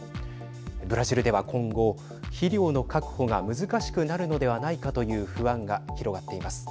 ブラジルでは、今後肥料の確保が難しくなるのではないかという不安が広がっています。